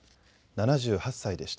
７８歳でした。